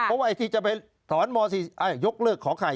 เพราะว่าไอ้ที่จะไปถอนม๔ยกเลิกขอไข่